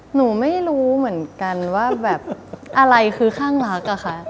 หนูไม่รู้เหมือนกันว่าแบบอะไรคือข้างรักอะค่ะ